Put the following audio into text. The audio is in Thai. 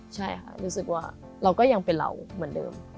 ใช่ค่ะรู้สึกว่าเราก็ยังเป็นเราเหมือนเดิม